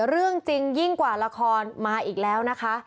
เรื่องจริงยิ่งกว่าละครมาอีกแล้วนะคะ